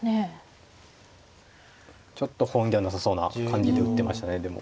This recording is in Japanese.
ちょっと本意ではなさそうな感じで打ってましたねでも。